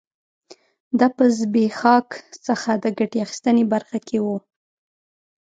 دا په زبېښاک څخه د ګټې اخیستنې برخه کې و